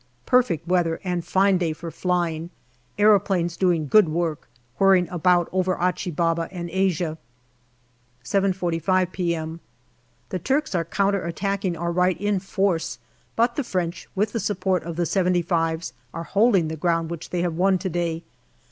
Perfect weather, and fine day for flying. Aeroplanes doing good work, whirring about over Achi Baba and Asia. 7.45 p.m. The Turks are counter attacking our right in force, but the French, with the support of the " 75's," are holding the ground which they have won to day.